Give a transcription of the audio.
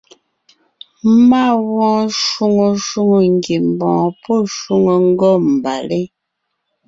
Má wɔɔn shwóŋo shwóŋò ngiembɔɔn pɔ́ shwòŋo ngômbalé.